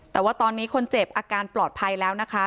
แต่ว่าตอนนี้คนเจ็บอาการปลอดภัยแล้วนะคะ